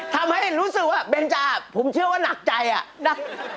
ทำให้รู้สึกว่าเบนจาผมเชื่อว่านักใจอะนะ